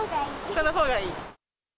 このほうがいい？